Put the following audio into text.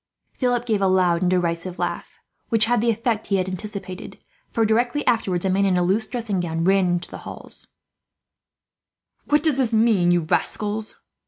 Philip gave a loud and derisive laugh, which had the effect he had anticipated for, directly afterwards, a man in a loose dressing gown ran into the hall. "What does this mean, you rascals?"